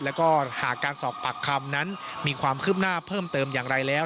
แล้วก็หากการสอบปากคำนั้นมีความคืบหน้าเพิ่มเติมอย่างไรแล้ว